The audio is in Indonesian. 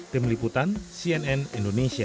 tim liputan cnn indonesia